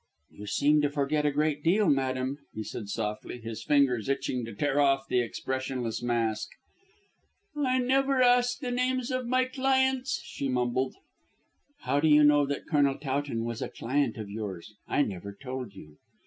"You seem to forget a great deal, madame," he said softly, his fingers itching to tear off the expressionless mask. "I never ask the names of my clients," she mumbled. "How do you know that Colonel Towton was a client of yours? I never told you."